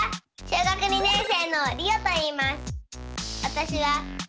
小学２年生のりおといいます。